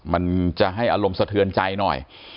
มันจะให้อารมณ์สะเทือนใจหน่อย